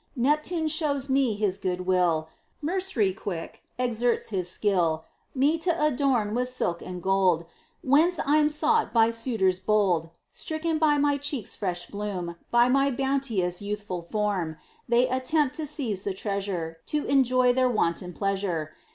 Neptune shows me his good will; Merc'ry, quick, exerts his skill Me t' adorn with silk and gold; Whence I'm sought by suitors bold. Stricken by my cheek's fresh bloom, By my beauteous youthful form, They attempt to seize the treasure To enjoy their wanton pleasure.